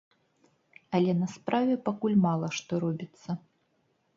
Але на справе пакуль мала што робіцца.